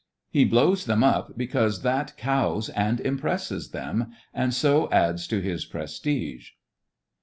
He blows them up, because that ccws and impresses them, and so adds to his prestige.